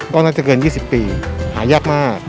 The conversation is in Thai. ก็น่าจะเกิน๒๐ปีหายากมาก